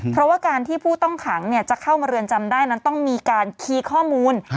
เพราะว่าการที่ผู้ต้องขังจะเข้ามาเรือนจำได้นั้นต้องมีการคีย์ข้อมูล